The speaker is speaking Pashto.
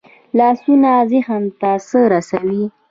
لاسونه ذهن ته څه رسوي